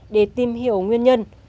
để tìm hiểu nguyên nhân